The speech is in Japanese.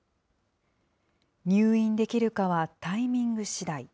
入院できるかはタイミングしだい。